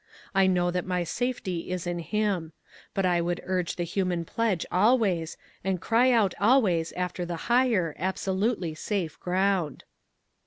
I know that my safety is in him. But I would urge the human pledge always, and cry out always after the higher, abso lutely safe ground."